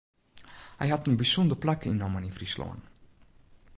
Hy hat in bysûnder plak ynnommen yn Fryslân.